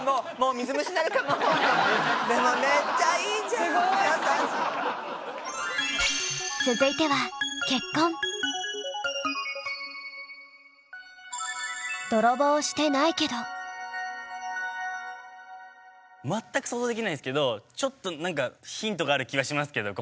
続いては全く想像できないですけどちょっとヒントがある気がしますけどここに。